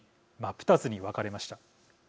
二つに分かれました。